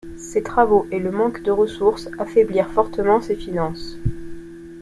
Ces travaux et le manque de ressources affaiblirent fortement ses finances.